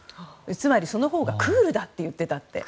つまり、そのほうがクールだって言ってたって。